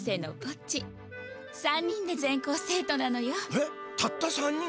えったった３人？